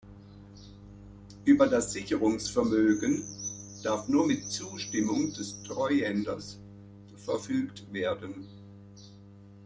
Über das Sicherungsvermögen darf nur mit Zustimmung des Treuhänders verfügt werden.